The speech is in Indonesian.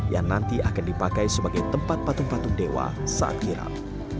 yang nanti akan dipakai sebagai tempat patung patung dewa saat kirap